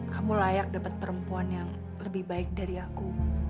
kamu layak dapat perempuan yang lebih baik dari aku